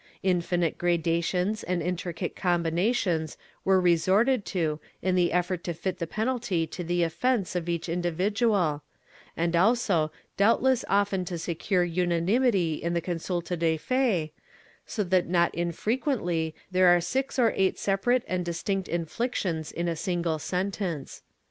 Infinite gradations and intricate combinations were resorted to in the effort to fit the penalty to the offence of each individual, and also doubtless often to secure unanimity in the consulta de fe, so that not infrequently there are six or eight separate and distinct inflictions in a single sentence.